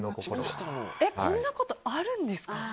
こんなことあるんですか？